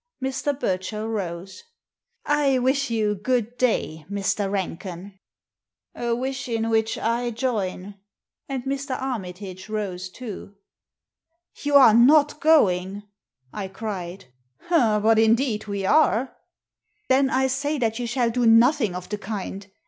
Mr. Burchell rose. •* I wish you good day, Mr. Ranken." A wish in which I join." And Mr. Armitage rose too. " You are not going ?" I cried. " But indeed we are." "Then I say that you shall do nothing of the kind.